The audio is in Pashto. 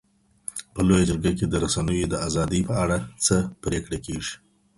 په لویه جرګه کي د رسنیو د ازادۍ په اړه څه پرېکړه کیږي؟